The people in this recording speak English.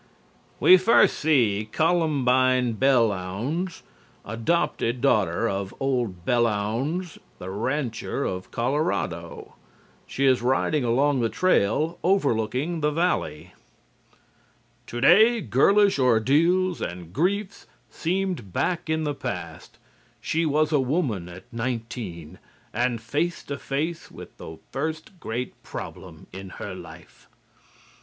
We first see Columbine Belllounds, adopted daughter of old Belllounds the rancher of Colorado. She is riding along the trail overlooking the valley. "TODAY GIRLISH ORDEALS AND GRIEFS SEEMED BACK IN THE PAST: SHE WAS A WOMAN AT NINETEEN AND FACE TO FACE WITH THE FIRST GREAT PROBLEM IN HER LIFE."